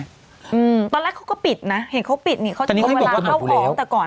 ตอนแรกเขาก็ปิดนะเห็นเขาปิดเนี่ยเขาเวลาเข้าออกตั้งแต่ก่อน